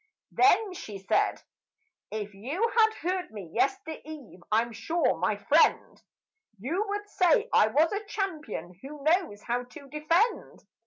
Then she said, "If you had heard me yestereve, I'm sure, my friend, You would say I am a champion who knows how to defend."